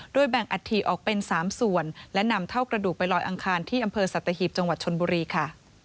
แบ่งอัฐิออกเป็น๓ส่วนและนำเท่ากระดูกไปลอยอังคารที่อำเภอสัตหีบจังหวัดชนบุรีค่ะ